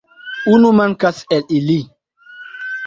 Unu mankas el ili.